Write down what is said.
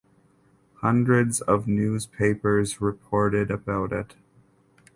Hundreds of newspapers reported about it.